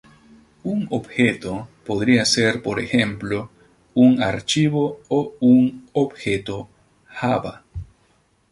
Un objeto podría ser por ejemplo un archivo o un objeto Java.